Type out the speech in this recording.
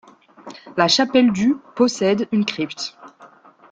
La chapelle du possède une crypte.